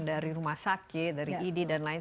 dari rumah sakit dari idi dan lain